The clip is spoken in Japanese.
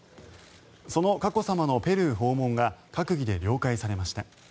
その佳子さまのペルー訪問が閣議で了解されました。